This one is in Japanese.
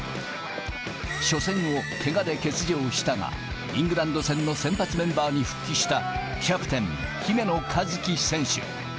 初戦をけがで欠場したが、イングランド戦の先発メンバーに復帰した、キャプテン、姫野和樹選手。